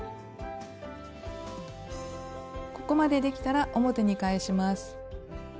ここまでできたら表に返します。